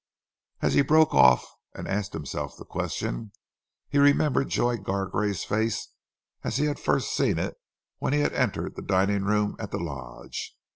As he broke off and asked himself the question he remembered Joy Gargrave's face as he had first seen it when he entered the dining room at the lodge.